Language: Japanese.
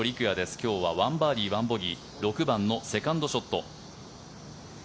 今日は１バーディー１ボギー６番のセカンドショット。